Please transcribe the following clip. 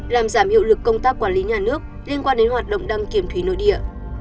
làm giảm hiệu lực công tác quản lý nhà nước liên quan đến hoạt động đăng kiểm thủy nội địa